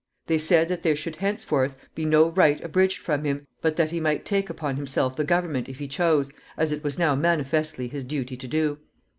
They said that there should henceforth be no right abridged from him, but that he might take upon himself the government if he chose, as it was now manifestly his duty to do.